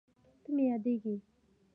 ته مې یادېږې